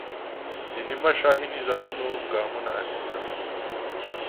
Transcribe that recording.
د نیمه شاهي نظامونو ګامونه اخیستل.